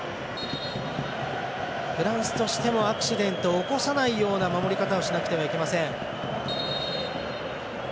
フランスとしてもアクシデントを起こさないような守り方をしなくてはなりません。